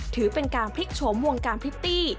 ถือเป็นการพลิกโฉมวงการพริตตี้